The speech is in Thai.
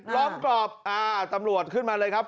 ล้อมกรอบอ่าตำรวจขึ้นมาเลยครับ